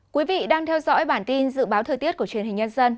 quý vị đang theo dõi bản tin dự báo thời tiết của truyền hình nhân dân